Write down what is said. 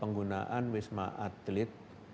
penggunaan wisma atlet